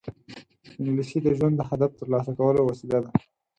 انګلیسي د ژوند د هدف ترلاسه کولو وسیله ده